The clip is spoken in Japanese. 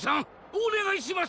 おねがいします！